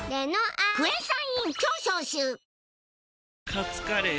カツカレー？